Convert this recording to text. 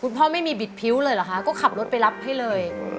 พ่อไม่มีบิดพิ้วเลยเหรอคะก็ขับรถไปรับให้เลย